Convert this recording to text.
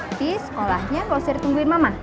berarti sekolahnya lo seri tungguin mama